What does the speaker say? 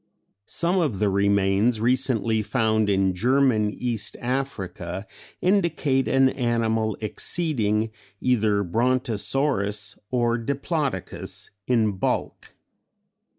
Some of the remains recently found in German East Africa indicate an animal exceeding either Brontosaurus or Diplodocus in bulk.